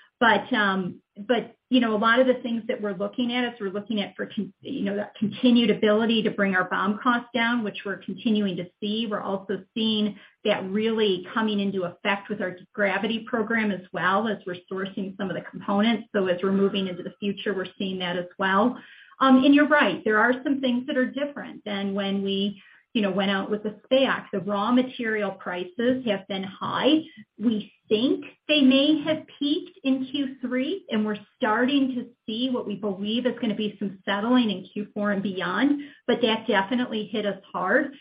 You know, a lot of the things that we're looking at is that continued ability to bring our BOM costs down, which we're continuing to see. We're also seeing that really coming into effect with our Gravity program as well as we're sourcing some of the components. As we're moving into the future, we're seeing that as well. You're right. There are some things that are different than when we, you know, went out with the SPAC. The raw material prices have been high. We think they may have peaked in Q3, and we're starting to see what we believe is gonna be some settling in Q4 and beyond. That definitely hit us hard.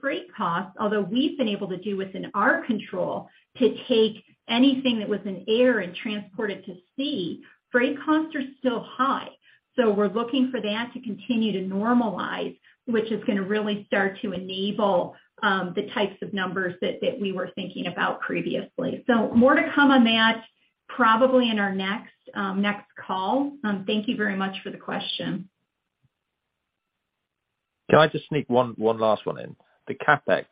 Freight costs, although we've been able to do within our control to take anything that was in air and transport it to sea, freight costs are still high. We're looking for that to continue to normalize, which is gonna really start to enable the types of numbers that we were thinking about previously. More to come on that probably in our next call. Thank you very much for the question. Can I just sneak one last one in? The CapEx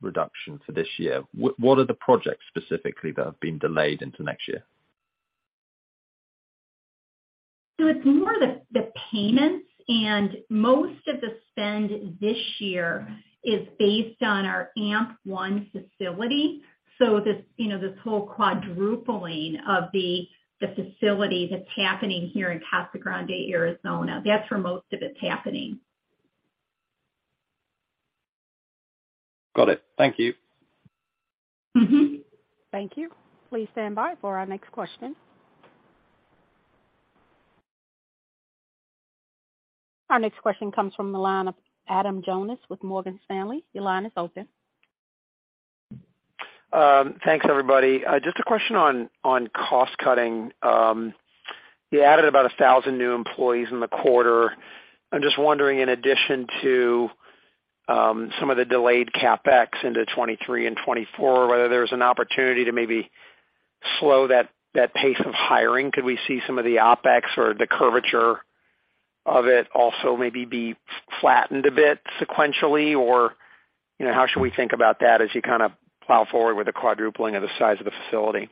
reduction for this year, what are the projects specifically that have been delayed into next year? It's more the payments, and most of the spend this year is based on our AMP-1 facility. This, you know, this whole quadrupling of the facility that's happening here in Casa Grande, Arizona. That's where most of it's happening. Got it. Thank you. Mm-hmm. Thank you. Please stand by for our next question. Our next question comes from the line of Adam Jonas with Morgan Stanley. Your line is open. Thanks, everybody. Just a question on cost-cutting. You added about 1,000 new employees in the quarter. I'm just wondering, in addition to some of the delayed CapEx into 2023 and 2024, whether there's an opportunity to maybe slow that pace of hiring. Could we see some of the OpEx or the curvature of it also maybe be flattened a bit sequentially? Or, you know, how should we think about that as you kinda plow forward with the quadrupling of the size of the facility?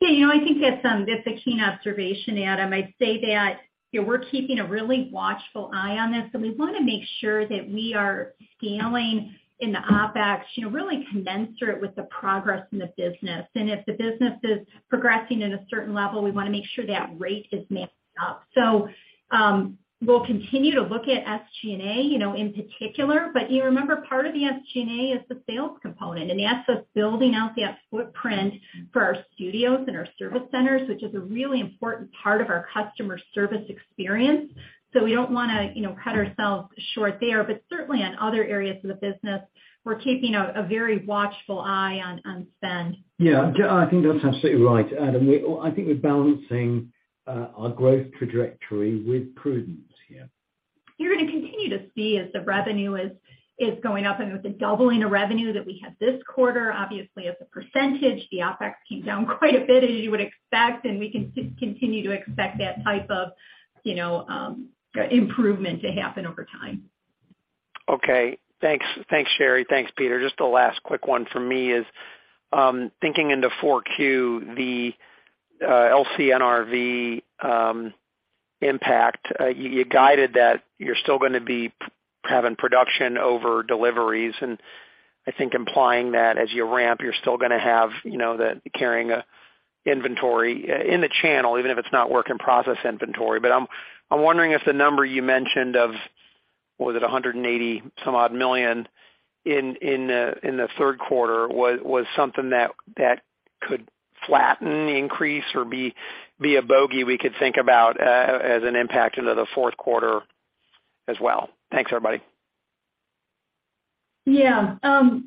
Yeah, you know, I think that's a keen observation, Adam. I'd say that, you know, we're keeping a really watchful eye on this, and we wanna make sure that we are scaling in the OpEx, you know, really commensurate with the progress in the business. If the business is progressing at a certain level, we wanna make sure that rate is matching up. We'll continue to look at SG&A, you know, in particular. You remember part of the SG&A is the sales component, and that's us building out that footprint for our studios and our service centers, which is a really important part of our customer service experience. We don't wanna, you know, cut ourselves short there. Certainly on other areas of the business, we're keeping a very watchful eye on spend. Yeah. I think that's absolutely right, Adam. I think we're balancing our growth trajectory with prudence here. You're gonna continue to see as the revenue is going up and with the doubling of revenue that we had this quarter, obviously as a percentage, the OpEx came down quite a bit as you would expect, and we can continue to expect that type of, you know, improvement to happen over time. Okay. Thanks. Thanks, Sherry. Thanks, Peter. Just the last quick one from me is thinking into 4Q, the LCNRV impact, you guided that you're still gonna be having production over deliveries, and I think implying that as you ramp, you're still gonna have, you know, the carrying inventory in the channel, even if it's not work in process inventory. I'm wondering if the number you mentioned of, was it $180-some-odd million in the third quarter was something that could flatten the increase or be a bogey we could think about as an impact into the fourth quarter as well. Thanks, everybody. Yeah.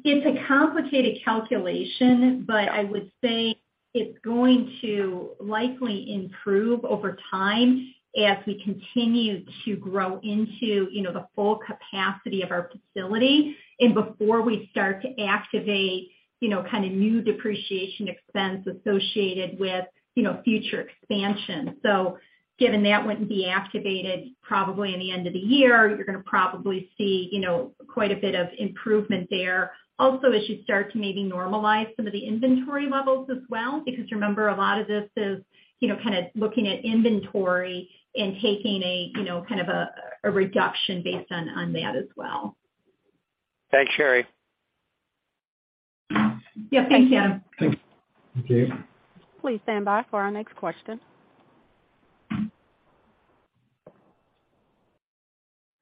It's a complicated calculation, but I would say it's going to likely improve over time as we continue to grow into, you know, the full capacity of our facility and before we start to activate, you know, kind of new depreciation expense associated with, you know, future expansion. Given that wouldn't be activated probably in the end of the year, you're gonna probably see, you know, quite a bit of improvement there. Also, it should start to maybe normalize some of the inventory levels as well. Because remember, a lot of this is, you know, kind of looking at inventory and taking a, you know, kind of a reduction based on that as well. Thanks, Sherry. Yeah. Thanks, Adam. Thanks. Thank you. Please stand by for our next question.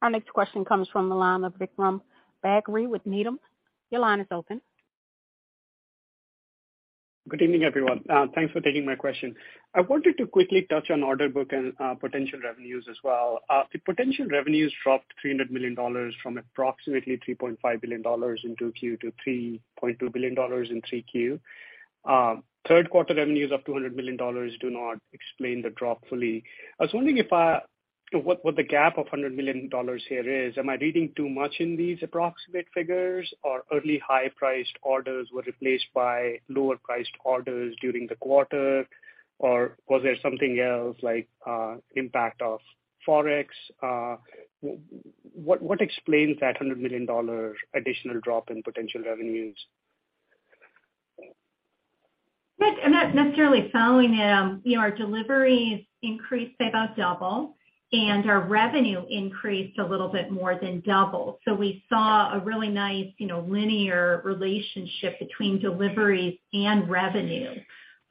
Our next question comes from the line of Vikram Bagri with Needham. Your line is open. Good evening, everyone. Thanks for taking my question. I wanted to quickly touch on order book and potential revenues as well. The potential revenues dropped $300 million from approximately $3.5 billion in 2Q to $3.2 billion in 3Q. Third quarter revenues of $200 million do not explain the drop fully. I was wondering you know, what the gap of $100 million here is. Am I reading too much in these approximate figures or early high-priced orders were replaced by lower priced orders during the quarter? Or was there something else like impact of Forex? What explains that $100 million dollar additional drop in potential revenues? Not necessarily following it. You know, our deliveries increased by about double, and our revenue increased a little bit more than double. We saw a really nice, you know, linear relationship between deliveries and revenue.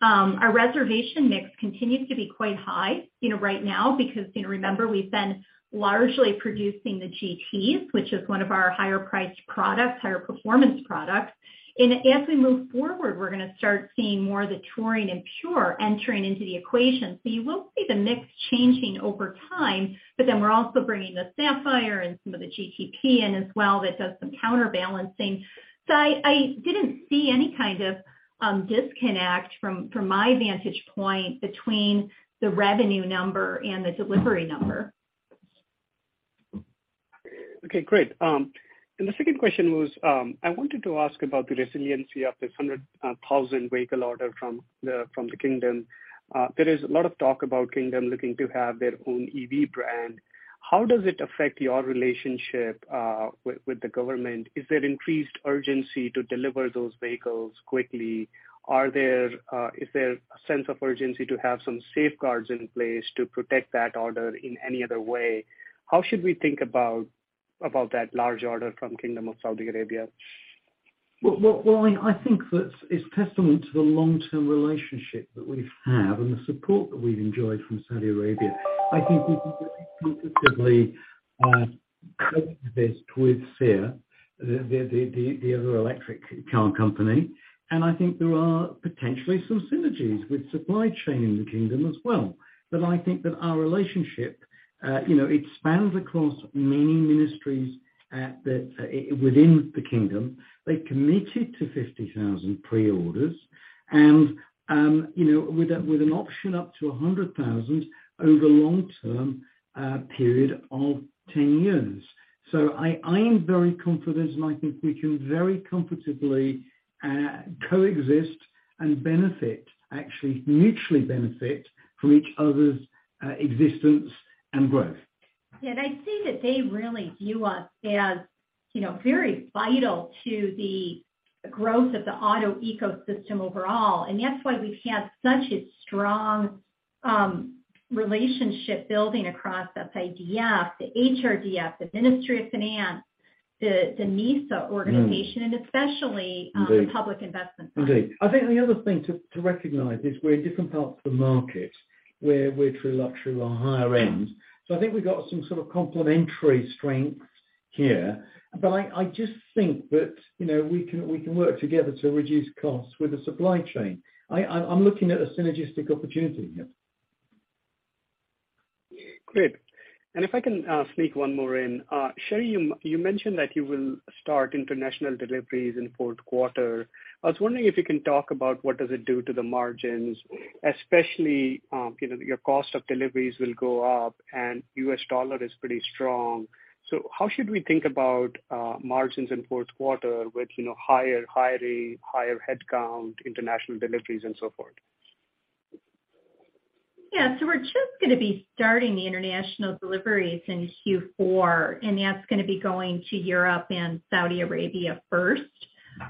Our reservation mix continues to be quite high, you know, right now because, you know, remember, we've been largely producing the GTs, which is one of our higher priced products, higher performance products. As we move forward, we're gonna start seeing more of the Touring and Pure entering into the equation. You will see the mix changing over time, but then we're also bringing the Sapphire and some of the GTP in as well that does some counterbalancing. I didn't see any kind of disconnect from my vantage point between the revenue number and the delivery number. Okay, great. The second question was, I wanted to ask about the resiliency of this 100,000 vehicle order from the Kingdom. There is a lot of talk about Kingdom looking to have their own EV brand. How does it affect your relationship with the government? Is there increased urgency to deliver those vehicles quickly? Is there a sense of urgency to have some safeguards in place to protect that order in any other way? How should we think about that large order from Kingdom of Saudi Arabia? Well, I think that it's testament to the long-term relationship that we have and the support that we've enjoyed from Saudi Arabia. I think we can significantly compete fairly with the other electric car company. I think there are potentially some synergies with supply chain in the Kingdom as well. I think that our relationship, you know, it spans across many ministries within the Kingdom. They committed to 50,000 pre-orders and, you know, with an option up to 100,000 over long-term period of 10 years. I am very confident, and I think we can very comfortably coexist and benefit, actually mutually benefit from each other's existence and growth. Yeah. I see that they really view us as, you know, very vital to the growth of the auto ecosystem overall. That's why we've had such a strong relationship building across the PIF, the HRDF, the Ministry of Finance, the MISA organization- Mm. Especially. Indeed. The Public Investment Fund. Indeed. I think the other thing to recognize is we're in different parts of the market, where we're true luxury, we're higher end. I think we've got some sort of complementary strengths here. I just think that, you know, we can work together to reduce costs with the supply chain. I'm looking at a synergistic opportunity here. Great. If I can sneak one more in. Sherry, you mentioned that you will start international deliveries in fourth quarter. I was wondering if you can talk about what does it do to the margins, especially, you know, your cost of deliveries will go up and U.S. dollar is pretty strong. How should we think about margins in fourth quarter with, you know, higher headcount, international deliveries and so forth? Yeah. We're just gonna be starting the international deliveries in Q4, and that's gonna be going to Europe and Saudi Arabia first.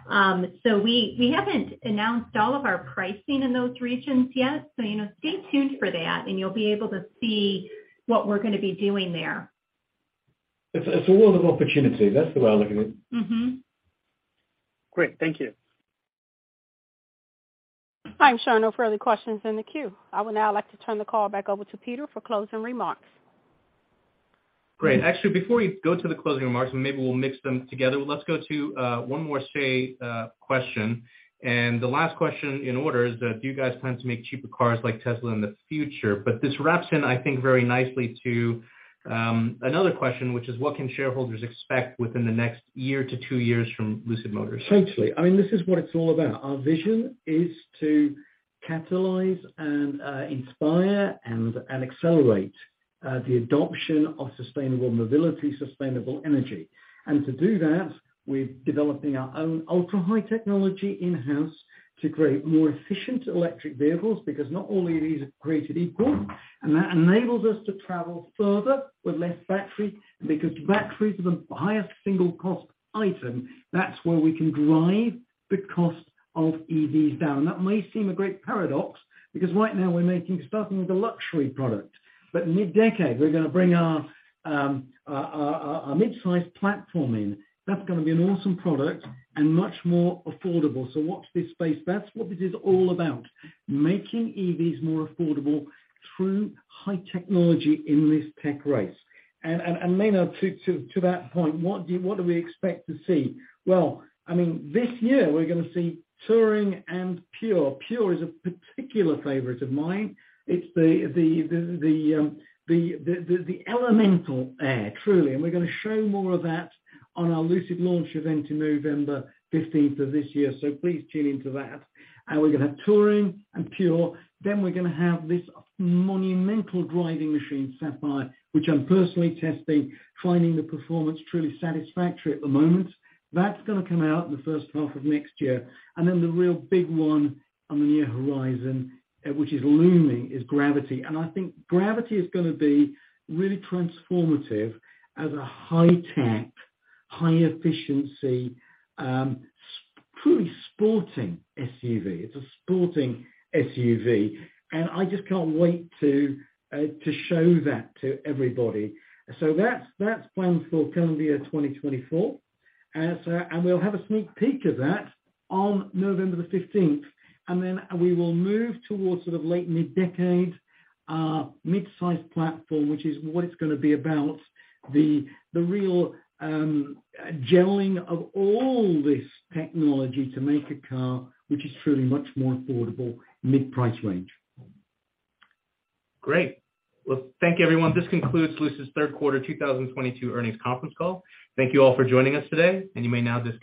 We haven't announced all of our pricing in those regions yet. You know, stay tuned for that and you'll be able to see what we're gonna be doing there. It's a world of opportunity. That's the way I look at it. Mm-hmm. Great. Thank you. I'm showing no further questions in the queue. I would now like to turn the call back over to Peter for closing remarks. Great. Actually, before we go to the closing remarks, and maybe we'll mix them together, let's go to one more Say question. The last question in order is that do you guys plan to make cheaper cars like Tesla in the future? This wraps in, I think, very nicely to another question, which is what can shareholders expect within the next year to two years from Lucid Group? Totally. I mean, this is what it's all about. Our vision is to catalyze and inspire and accelerate the adoption of sustainable mobility, sustainable energy. To do that, we're developing our own ultra-high technology in-house to create more efficient electric vehicles, because not all EVs are created equal, and that enables us to travel further with less battery. Because batteries are the highest single cost item, that's where we can drive the cost of EVs down. That may seem a great paradox, because right now we're making a luxury product, but mid-decade we're gonna bring our mid-sized platform in. That's gonna be an awesome product and much more affordable, so watch this space. That's what this is all about, making EVs more affordable through high technology in this tech race. Maynard, to that point, what do we expect to see? Well, I mean, this year we're gonna see Touring and Pure. Pure is a particular favorite of mine. It's the elemental Air, truly, and we're gonna show more of that on our Lucid Launch event in November 15th of this year. Please tune into that. We're gonna have Touring and Pure, then we're gonna have this monumental driving machine, Sapphire, which I'm personally testing, finding the performance truly satisfactory at the moment. That's gonna come out in the first half of next year. Then the real big one on the near horizon, which is looming, is Gravity. I think Gravity is gonna be really transformative as a high-tech, high-efficiency, truly sporting SUV. It's a sporting SUV, and I just can't wait to show that to everybody. That's planned for calendar year 2024. We'll have a sneak peek of that on November the 15th, and then we will move towards sort of late mid-decade, our mid-size platform, which is what it's gonna be about, the real gelling of all this technology to make a car, which is truly much more affordable, mid-price range. Great. Well, thank you everyone. This concludes Lucid's third quarter 2022 earnings conference call. Thank you all for joining us today, and you may now disconnect.